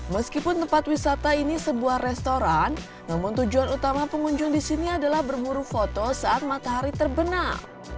meskipun tempat wisata ini sebuah restoran namun tujuan utama pengunjung di sini adalah bermuru foto saat matahari terbenam